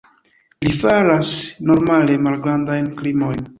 Li faras normale malgrandajn krimojn.